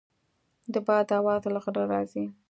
د باد اواز له غره راځي.